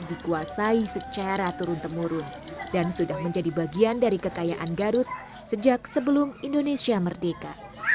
dikuasai secara turun temurun dan sudah menjadi bagian dari kekayaan garut sejak sebelum indonesia merdeka